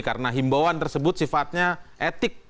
karena himbauan tersebut sifatnya etik